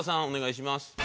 お願いします。